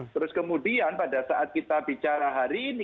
terus kemudian pada saat kita bicara hari ini